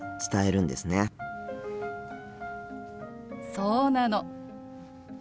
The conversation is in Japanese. そうなの。